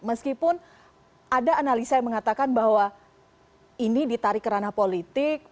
meskipun ada analisa yang mengatakan bahwa ini ditarik ke ranah politik